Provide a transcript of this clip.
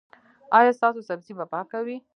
ایا ستاسو سبزي به پاکه وي؟